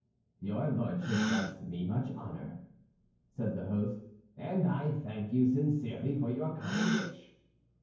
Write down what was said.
"Your Lordship does me much honor," said the host, "and I thank you sincerely for your kind wish."